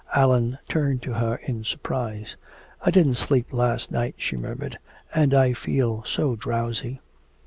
Allan turned to her in surprise. "I didn't sleep last night," she murmured, "and I feel so drowsy."